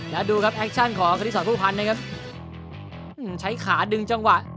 แล้วดูครับแอคชั่นของคณิสรผู้พันธ์นะครับใช้ขาดึงจังหวะ